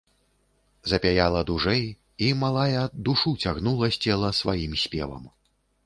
Запяяла дужэй, і, малая, душу цягнула з цела сваім спевам.